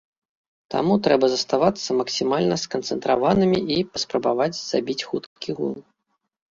Таму трэба заставацца максімальна сканцэнтраванымі і паспрабаваць забіць хуткі гол.